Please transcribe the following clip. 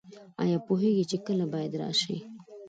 ایا پوهیږئ چې کله باید راشئ؟